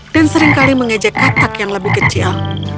dan seringkali mengejek katak yang lebih kecil